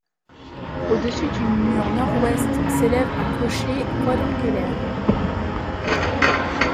Au-dessus du mur nord-ouest s'élève un clocher quadrangulaire.